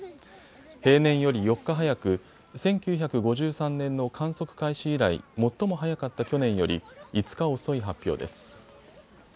平年より４日早く１９５３年の観測開始以来、最も早かった去年より５日遅い発表です。